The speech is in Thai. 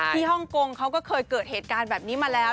ฮ่องกงเขาก็เคยเกิดเหตุการณ์แบบนี้มาแล้ว